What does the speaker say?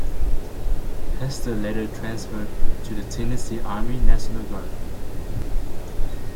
Hester later transferred to the Tennessee Army National Guard.